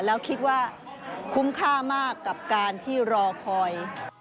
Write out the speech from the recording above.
แล้วคิดว่าคุ้มค่ามากกับการที่รอคอย